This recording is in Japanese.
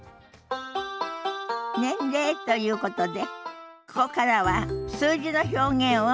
年齢ということでここからは数字の表現を覚えましょ。